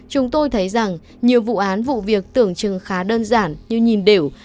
chúng tôi thấy rằng nhiều vụ án vụ việc tưởng chừng khá đơn giản như nhìn đều